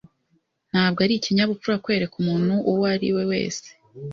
Ntabwo ari ikinyabupfura kwereka umuntu uwo ari we wese.